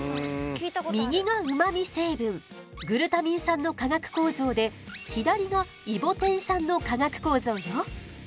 右がうまみ成分グルタミン酸の化学構造で左がイボテン酸の化学構造よ。